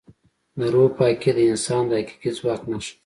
د روح پاکي د انسان د حقیقي ځواک نښه ده.